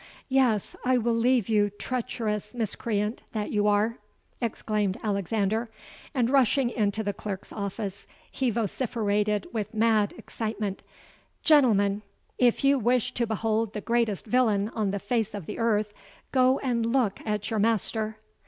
'—'Yes, I will leave you, treacherous miscreant that you are!' exclaimed Alexander; and rushing into the clerks' office, he vociferated with mad excitement, 'Gentlemen, if you wish to behold the greatest villian on the face of the earth, go and look at your master!'